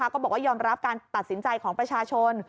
ก็บอกว่ายอมรับการตัดสินใจของประชาชน